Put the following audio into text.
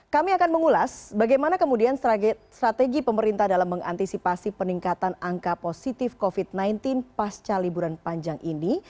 kami akan mengulas bagaimana kemudian strategi pemerintah dalam mengantisipasi peningkatan angka positif covid sembilan belas pasca liburan panjang ini